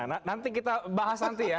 nanti kita bahas nanti ya